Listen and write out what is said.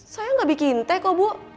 saya gak bikin teh kok bu